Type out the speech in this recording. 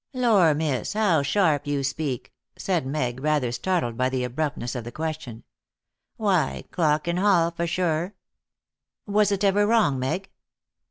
"Lor, miss, how sharp you speak!" said Meg, rather startled by the abruptness of the question. "Why, clock in hall, for sure!" "Was it ever wrong, Meg?"